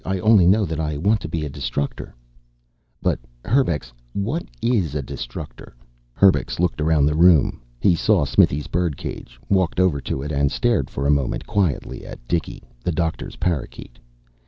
"I only know that I want to be a Destructor." "But, Herbux, what is a Destructor?" Herbux looked around the room. He saw Smithy's birdcage, walked over to it and stared for a moment quietly at Dicky, the doctor's parakeet.